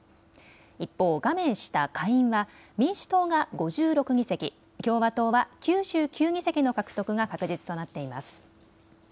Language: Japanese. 一方、画面下、下院は民主党が５６議席、共和党は９９議席の獲得が確実となっています。